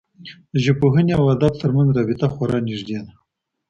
د ژبپوهنې او ادب ترمنځ رابطه خورا نږدې ده.